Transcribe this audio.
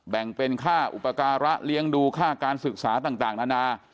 แบ่งเป็นค่าอุปการะเลี้ยงดูค่าการศึกษาต่างนานา